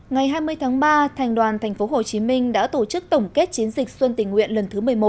ngày hai mươi tháng ba thành đoàn tp hcm đã tổ chức tổng kết chiến dịch xuân tình nguyện lần thứ một mươi một